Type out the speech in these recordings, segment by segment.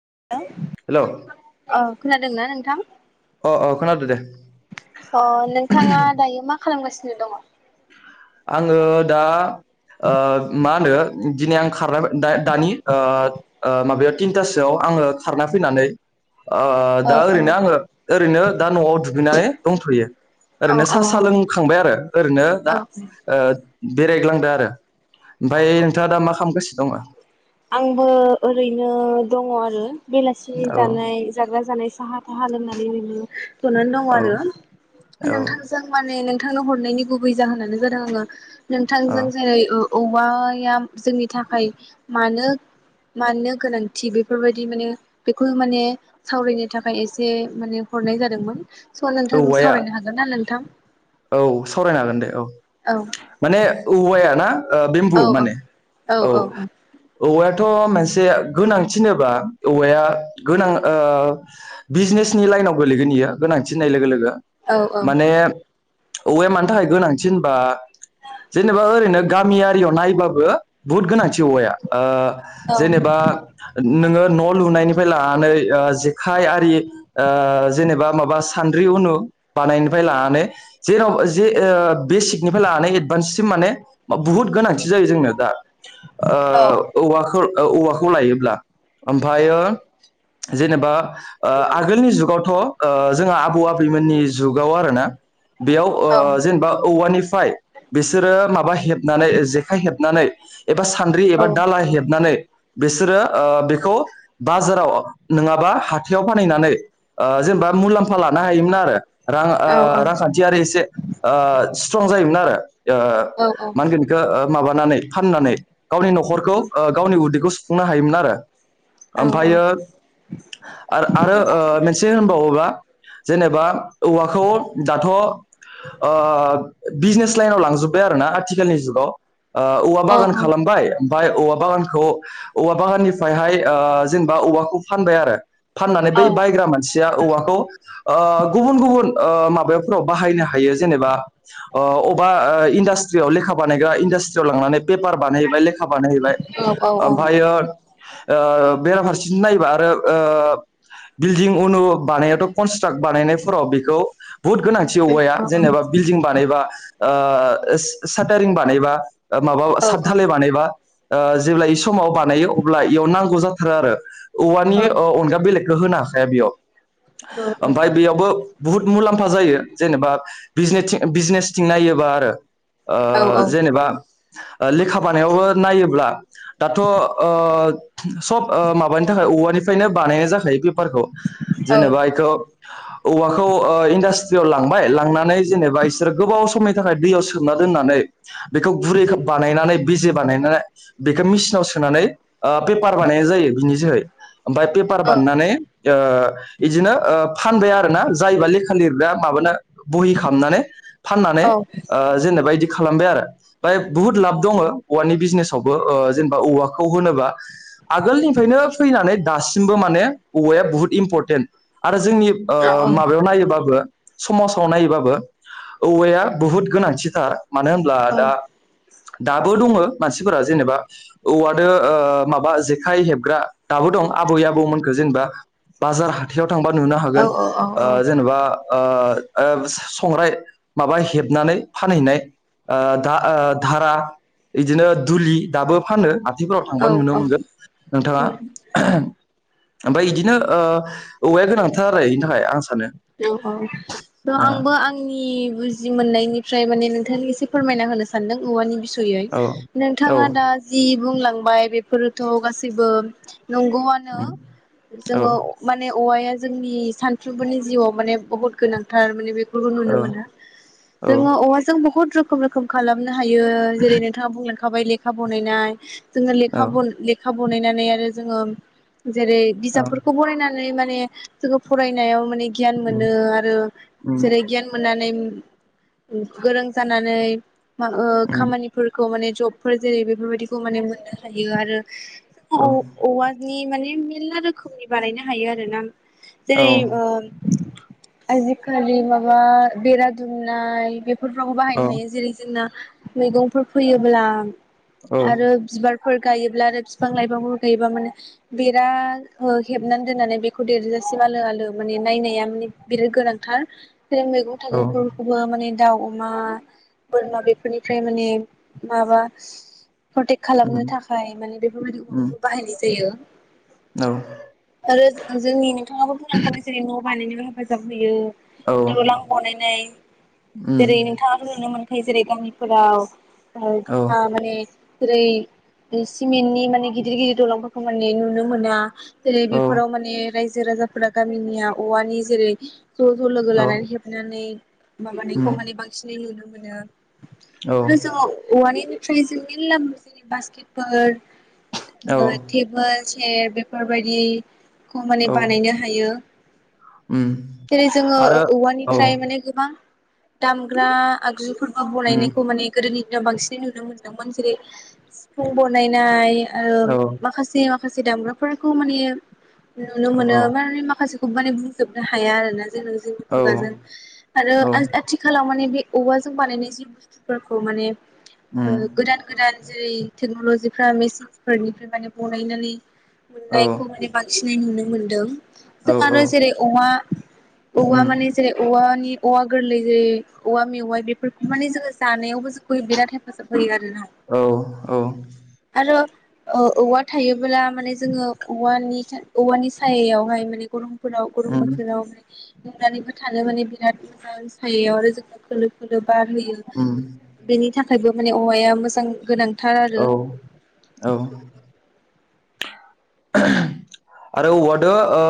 [unintelligible] हेल' औ खोनादोंना नोंथां? अ अ खोनादों दे। अ नोंथाङा दायो मा खालामगासिनो दङ। आङो दा ओ मा होनो दिनै आं खारना दा दानि ओ ओ माबायाव तिनथासोआव आङो खारना फैनानै ओ औ दा औ ओरैनो आङो ओरैनो दा न'आव दुगैनानै दंथ'यो औ ओरैनो सा औ सा लोंखांबाय आरो ओरैनो दा औ ओ बेरायग्लांदो आरो ओमफ्राय नोंथाङा दा मा खामगासि [unintelligible] आंबो ओरैनो दङ आरो बेलासे औ जानाय जाग्रा जानाय [unintelligible] साहा लोंनानै ओरैनो जनानै दङ औ आरो औ नोंथांजों माने नों थांनो हरनायनि गुबै जाहोनानो जादों आङो नोंथांजों औ जेरै ओ औवाया जोंनि थाखाय मानो -मानो गोनांथि बेफोरबायदि माने बेखौ माने सावरायनो थाखाय एसे माने हरनाय जादोंमोन। स' नोंथांजों औवाया सावरायनो हागोन ना नोंथां? औ सावरायनो हागोन दे औ माने औवाया ना ओ बेमबु माने औ औवा [unintelligible] मोनसे गोनांथि होनोबा औवाया गोनां ओ बिजनेसनि लाइनाव गोल्लैगोन इयो गोनांथि होननाय लोगो- लोगो माने औवाया मानि थाखाय गोनांथि होनोबा जेनेबा ओरैनो गामियारियाव नायोब्लाबो बुहुद गोनांथि औवाया ओ जेनेबा नोङो न' लुनायनि [unintelligible] लानानै ओ जेखाइ आरि ओ जेनेबा माबा सान्द्रि उनु बानायनिफ्राय लानानै जेन' जे ओ बेसिकनिफ्राय लानानै एडभान्ससिम माने बुहुद गोनांथि जायो जोंनो दा ओ औवाखौ औ औवाखौ लायोब्ला ओमफायो जेनेबा ओ आगोलनि जुगावथ' ओ जोंहा आबौ -आबैमोननि जुगाव आरोना बेयाव ओ औ जेनेबा औवानिफ्राय बिसोरो माबा हेबनानै जेखाइ हेबनानै [unintelligible] एबा सान्द्रि एबा दाला हेबनानै बिसोरो ओ बेखौ बाजाराव नङाबा हाथायाव फानहैनानै ओ जेनेबा मुलाम्फा लानो हायोमोन आरो। रां ओ [unintelligible] से ओ स्ट्रं जायोमोन आरो। ओ मा होनगोन इखो माबानानै फाननानै गावनि न'खरखौ ओ गावनि उदैखौ फुंनो हायोमोन आरो। ओमफायो आ-आरो ओ- मोनसे होनबावोबा। जेनेबा औवाखौ दाथ' आह- बिजनेस लाइनाव लांजोब्बाय आरो ना आथिखालनि जुगाव। ओ- औवा बागान खालामबाय। फाय औवा बागानखौ, औवा बागाननिफ्रायहाय ओ- जेनेबा औवाखौ फानबाय आरो। फाननानै बै बायग्रा मानसिया औवाखौ ओ- गुबुन-गुबुन ओ-माबायाव फोराव बाहायनो हायो जेनेबा अह अबा ओ- इन्डास्ट्रियाव लेखा बानायग्रा इनडास्ट्रियाव लांनानै। पेपार बानायहैबाय लेखा बानायहैबाय ओमफ्रायो ओ- बेराफारसे नायबा आरो ओ- बिल्डिं अनु बानायावथ' कनस्ट्राकट बानायनायफोराव बेखौ। बुहुत गोनांथि औवाया जेनेबा बिल्डिं बानायबा ओ- ओ ओ-सो-सातारिं बानायबा माबा सातधालाय बानायबा। ओ- जेब्ला बे समाव बानायो अब्ला बेयाव नांगौ जाथारो आरो। औ औवारि ओ-अनगा बेलेग, होनो हाखाया बियाव। ओमफाय बेयावबो बुहुत मुलाम जायो जेनेबा बिजनेथि बिजनेसथिं नायोबा आरो ओ- जेनेबा ओ- लेखा बानायावबो नायोब्ला दाथ' ओ- सब ओ- माबानि थाखाय औवानि नो बानाया जाखायो बे फोरखौ जेनेबा इखौ औवाखौ ओ इन्दास स्ट्रियाव लांबाय लांनानै जेनेबा इसोर गोबाव समाय नि थाखाय दैयाव सोमना दोननानै बेखौ गुरै बानायनानै बेजे बानायनानै बेखौ मेसिनाव सोनानै ओ-पेपार बानायनाय जायो ।बिनि जोहै ओमफ्राय पेपार बानायनानै ओ- इदिनो ओ-फानबाय आरोना जायबा लेखा लिर दा माबाना बहि खामनानै फाननानै ओ-जेनेबायदि खालामबाय आरो ओमफाय बुहुत लाब दङो। औवानि बिजनेसावबो ओ- जेनेबा औवाखौ होनोब्ला आोलनिफ्रायनो फैनानै दासिमबो माने औवाया बुहुत इमपरटेन्ट आरो जोंनि ओ-माबायाव नायोबाबो समाजाव नायोबाबो औवाया बुहुद गोनांथिखा। मानो होनब्ला दा दाबो दङो मानसिफोरा जेनेबा औवादो ओ माबा जेखाइ हेबग्रा दाबो दं आबै आबौमोनखो जेनेबा बाजार हाथायाव थांबा नुनो हागोन ओ जेनेबा ओ ओ स'संग्राय माबा हेबनानै फानहैनाय ओ दा ओ धारा इदिनो दुलि दाबो फानो आ फोराव थांबानो नुनो औ औ मोनगोन नोंथाङा ओह ओमफ्राय इदिनो ओ औवाया गोनांथार आरो इनि थाखाय आं सानो। अ त' आंबो आंनि बुजि मोननायनिफ्राय माने नों एसे फोरमायना होनो सानदों औवानि बि गैयै ओ औ नोंथाङा दा जि बुंलांबाय बेफोरोथ' गासैबो नंगौआनो उम औ जोङो औ माने औवाया जोंनि सान सुबुंनि जिउआव माने बहुत गोनांथार माने बे नुनो मोनो जोङो औवाजों बहुत रोखोम रोखोम खालाम हायो जेरै नोंथाङा बुंलां जाबाय लेखा बनायनाय जोङो औ लेखा बन लेखा बनायनानै आरो जोङो जेरै औ बिजाबफोरखौ फरायना नै माने जोङो फराय याव मोन नै गियान उम मोनो आरो उम जेरै गियान मोननानै गोरों जानानै मा ओ उम खामानिफोर खौ माने जबफोर जेरै बेफोरबायदिखौ माने मोननो हायो आरो अ औ औवानि माने मेलला रोखोमनि बानायनो हायो आरो ना। औ जेरै ओ आजिखालि माबा बेरा दुमनाय बे फ्रावबो औ बाहायनो हायो जेरै जोंना मैगंफोर फैयोब्ला औ आरो बिबार फोर गायोब्ला आरो बिफां लाइफांफोर गायोबा माने बेरा हेबनानै दोननानै बेखौ देरजा सिम आलो आलो माने नायनाया माने बिराद गोनांथार। बे मैगं औ थाइगंफोरखौबो माने दाउ मा बोरमा बेफोरनिफ्राय माने माबा प्रटेक्ट खालामनो उम थाखाय माने बेफोरबायदि उम हौवाखौ बाहायनाय जायो औ आरो जो जोंनि [unintelligible] बानायनायाव हेफाजाब होयो। औ दलां बनायनाय उम जेरै नोंथाङा नुनो मोनो। नाथाय जेरै गामिफोराव औ [unintelligible] माने जेरै सिमेन्टनि माने गिदिर गिदिर दलंफोरखौ माने नुनो मोना। जेरै बेफोराव माने रायजो राजाफोरा गामिनिया औवानि जेरै ज' ज' लोगो औ लानानै हेबनानै माबानायखौ उम माने बांसिनै नुनो मोनो। औ आरो ज औवानि ट्राइजों मेल्ला जेरै बासकेटफोर ओ औ थेबोल ए बेफोरबायदि खमाइ औ बानायनो हायो। उम जेरै जोंङो आरो औ औवानिफ्राय माने गोबां दामग्रा आगजुफोर खौ उम बनायनायखौ माने गोदोनि ओ बांसिनै नुनो मोन्दोंमोन जेरै सिफुं बनायनाय आरो औ माखासे माखासे दामग्राफोरखौ माने नुनो मोनो औ माने माखासे बु माने बुंजोबनो हाया आरोना। जोंङो जों औ खुगाजों आरो आज आथिखालाव माने बे औवाजों बानायनाय जि बुस्थुफोरखौ माने ओ उम गोदान गोदान जेरै टेक्न'ल'जिफ्रा मेसिनस फोरनिफ्राय माने बनायनानै औ मोननायखौ माने बांसि फ्राय नुनो मोनदों। औ जों आरो जेरै औवा औवा उम माने जेेरै औवानि बि औवा गोरलैजायो औवा मेवाइ बेफोरखौ माने जोंङो जानायावबो जो फै बिराद हेफाजाब होयो आरोना। औ औ रो ओ औवा थायोब्ला माने जोंङो औवानि खे औवानि सि सायावहाय माने गरम फोराव गरम उम बोथोराव उन्दुनानैबो थानो माने बिराद मोजां सायायाव आरो जोबोद खोलो खोलोब बार होयो उम बेनि थाख थायगफानि औवाया मोजां गोनां औ औ आरो औवादो ओ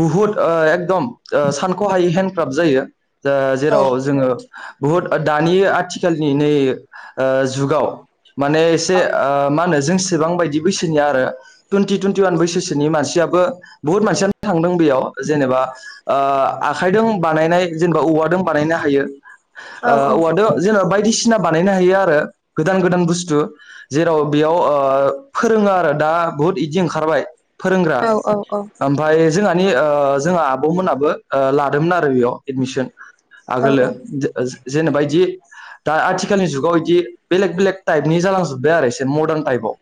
बहुत ओ एकदम ओ सानख'हायै हेन्दक्राब जायो। जा औ जेराव जोंङो बुहुथ ओ दानि आथिखालनि नै ओ जुगाव माने एसे औ ओ मा होनो जोंस बेसेबां बायदि बैसोनिया आरो। थुनथि थुन्टिवान बैसोसोनि मानसियाबो बुहुथ मानसियानो थांदों बेयाव जेनेबा आ आखायदोन बानायनाय जेनेबा औवादों बानायनो हायो। औ ओ औवा दो जोंना बायदिसिना बानायनो हायो आरो। गोदान गोदान बुस्थु जेराव बेयाव ओ फोरोङो आरो दा बुहुथ इदि ओंखारबाय। फोरोंग्रा औ औ ओमफाय जोंहानि ओ जोंहा आब'मोनाबो ओ लादोंमोन आरो बेयाव एडमिसोन। औ आगोलो जो जो जेनेबा इदि दा आथिखालनि जुगाव इदि बेलेग बेलेग टाइपनि जालांजोब्बाय आरो एसे मदार्न टाइफाव।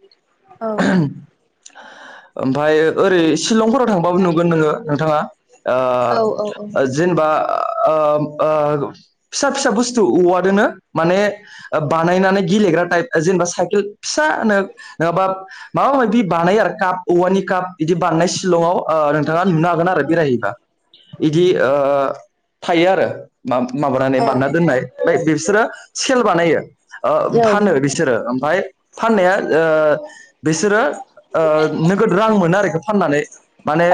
औ औ। [inaudible] ओमफाय ओरै शिलंफोराव थांबाबो नुगोन नोङो नोंथाङा ओ औ ओ जेनेबा ओम ओ फिसा फिसा बुस्थु औवा दोनो माने ओ बानायनानै गेलेग्रा टाइप जेनेबा साइकेल फिसा नो नोङाबा माबायदि बानायो आरो काप औवानि काप इदि बानायनाय शिलंआव ओ नोंथाङा नुनो हागोन आरो बेरायहैबा इदि ओ थायो आरो। माब औ माबानानै बानायना दोननाय ओमफाय बिसोरो सेल बानायो। ओ फानो बिसोरो ओमफाय फाननाया ओ बिसोरो ओ नोगोद रां मोनो आरोखि फाननानै माने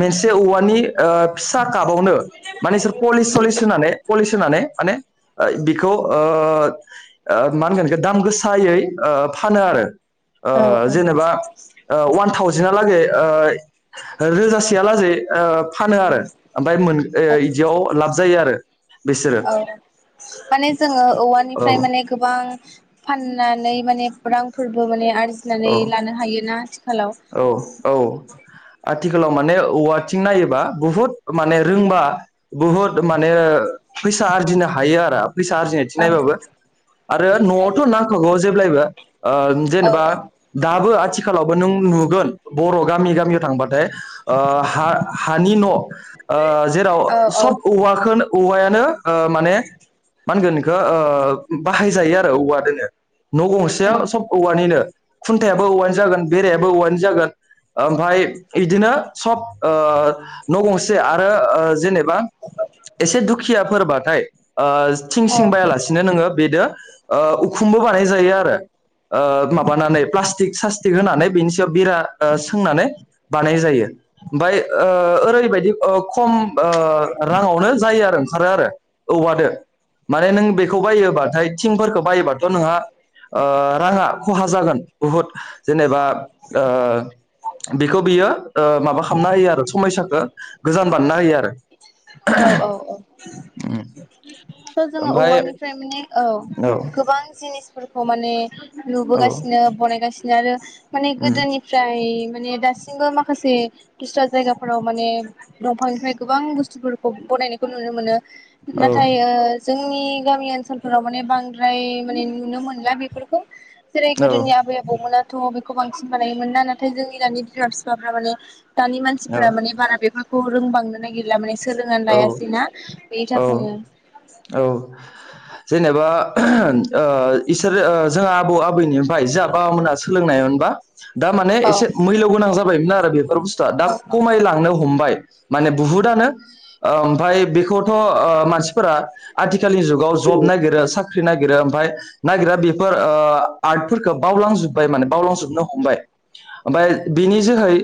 मोनसे औवानि ओ फिसा कापावनो माने बिसोर पलिस सलिस होनानै प लिस होनानै माने ओ बिखौ ओ ओ मा होनगोन एखो दाम गोस सायै ओ फानो आरो। ओ औ जेनेबा ओ वान थावजेना हालागै [unintelligible] रोजासेया लाजै ओ फानो आरो आम बिसोरो औ माने जोङो औ औवानिफ्राय माने गोबां फाननानै माने रां फोरबो माने आर जिनानै औ लानो हायोना आथिखालाव। थिखालाव माने औवाथिं नायोबा बुहुत माने रोंबा बुहुत माने फैसा आरजिनो हायो आरो। फैसा आरजिनाय औ थिनायबाबो आरो न'आवथ' नांखागौ जेब्लायबो। ओ औ जेनेबा दाबो आथिखालावबो नों नुगोन बर' गामि गामियाव थांबाथाय ओ हा-हानि न' ओ जेराव औ औ सब औवाखोन औवाया नो ओ माने मा होनगोन इखो ओ बाहायजायो आरो औवादोनो न' गंसेयाव सब औवानिनो खुनथाया बो औवानि जागोन बेरायाबो औवानि जागोन ओमफाय इदिनो सब ओ न' गंसे आरो ओ जेनेब बा एसे दुख खियाफोर बाथाय ओ थिं औ सिं बायालासिनो नोङो बेदो ओ उखुमबो बानाय जायो आरो ओ माबानानै [unintelligible] स्टिक होनानै बिनि सायाव बिरा ओ सोंनानै बानाय जायो ओमफाय ओ ओरैबायदि ओ खम ओ राङावनो जायो आरो ओंखारो आरो औवादो माने नों बेखौ बायोबाथाय थिंफोरखौ बायोबाथ' नोंहा ओ राङा खहा जागोन बुहुद जेनेबा ओ बेखौ बियो ओ माबा खामना होयो आरो समायसा खो गोजान बानना होयो आरो औ औ औ थ' जोङो ओमफाय औवानिफ्राय माने औ औ गोबां जिनिस फोरखौ माने औ लुबोगासिनो बनायगासि नो आरो माने उम गोदोनिफ्राय माने दासिमबो माखासे दुस्रा जायगाफोराव माने दंफांनिफ्राय गोबां बुस्थुफोरखौ बनायनायनायखौ नुनो मोनो औ नाथाय ओ जोंनि गामि ओनसोलफोराव माने बांद्राय माने नुनो मोनला बेफोरखौ जेरै औ गोदोनि आबै आबौमोना थ' बेखौ बांसिन बानायोमोन ना नाथाय जोंनि दानि बिमा बिफाफ्रा माने दानि औ मानसिफोरा माने बारा बेफोर खौ रोंबांनो नागिरला माने सोलोंनानै लायासै औ ना बेनि औ थाखायनो औ जेने बा ओ इसोरो जोंहा आबौ आबैनिफ्राय जाब बाबा मोना सोलोंनायमोनबा दा माने औ एसे मैल' गोनां जा बायमोनआरो बेउ फोर बुस्थुआ दा कमाय लांनो हमबाय। माने बुहुतआनो। ओमफाय बेखौथ' ओ मानसिफोरा। आथिखालनि जुगाव जब नागिरो साख साख्रि नागिरो ओमफाय नागिरा बेफोर आर्टफोरखौ बावलांजोब्बाय माने बावलांजोबनो हमबाय ओमफाय बेनि जोहै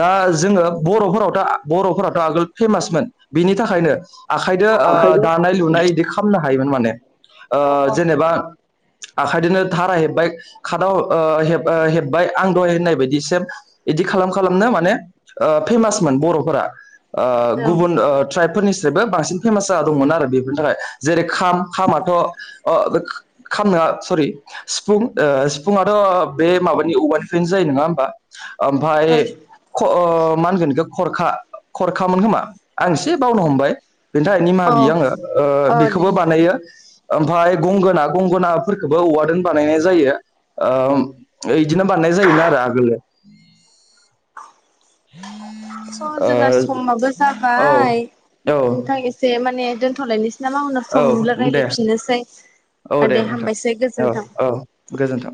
दा जोङो बर'फोरावथ' बर'फोराथ' आगोल फेमासमोन। बिनि थाखायनो। आखाइदो ओ आखाइजों दानाय लुनाय बिदि खालामनो हायोमोन माने। ओ औ औ जेनेबा। आखाइदोनो धारा हेबबाय खादाव ओ हेब-हेबबाय आं दहाय होननाय बायदिसेम। बिदि खालाम औ खालामनो माने। ओ फेमास मोन बर'फोरा। ओ गुबुन ओ फोरनिसेबो बांसिन फेमास जा दंमोन आरो बेफोरनि थाखाय जेरै खाम खामाथ' अ खाम नङा सरि सिफुं ओ सिफुंआथ' बे माबानि औवानिफायनो जायो नङा होमबा। ओमफाय ख मा होनगोन बेखौ खरखा खरखामोन खोमा आं। जे बावनो हमबाय। बेनि थाखाय निमाहा बियो आङो ओ औ बेखौबो दे बानायो। ओमफाय गंगोना गंगोनाफोरखोबो औवादों बानायनाय जायो ओ बदिनो बानायनाय जायोमोन आरो आगोलो स' जोंना समाबो ओ जाबाय औ नोंथां एसे माने दोन थलायनोसै। नामा उनाव सम मोनब्ला औ दे रायज्लयफिनोसै औ आ दे नोंथां हामबायसै औ गोजोन्थों। औ गोजोन्थों